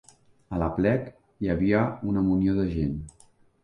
A l'aplec hi havia una munió de gent.